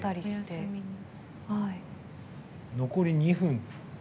残り２分。